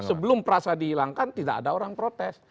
sebelum perasa dihilangkan tidak ada orang protes